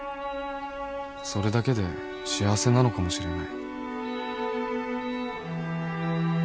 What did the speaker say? それだけで幸せなのかもしれない